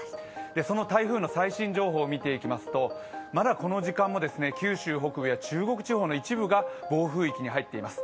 その台風の最新情報を見ていきますとまだこの時間も九州北部や中国地方の一部が暴風域に入っています。